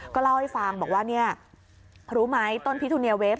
ก็เล่าให้ฟังบอกว่าเนี่ยรู้ไหมต้นพิทูเนียเวฟ